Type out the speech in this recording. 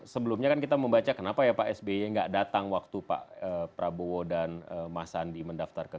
sebelumnya kan kita membaca kenapa ya pak sby nggak datang waktu pak prabowo dan mas sandi mendaftarkan